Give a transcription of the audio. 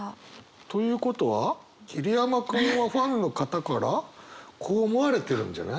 ということは桐山君はファンの方からこう思われてるんじゃない？